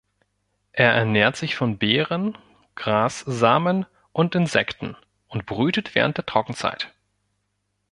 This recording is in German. Er ernährt sich von Beeren, Grassamen und Insekten und brütet während der Trockenzeit.